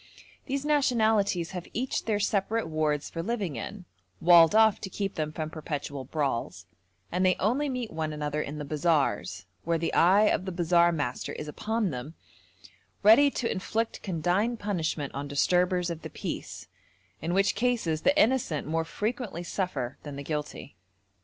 These nationalities have each their separate wards for living in, walled off to keep them from perpetual brawls, and they only meet one another in the bazaars, where the eye of the bazaar master is upon them, ready to inflict condign punishment on disturbers of the peace, in which cases the innocent more frequently suffer than the guilty.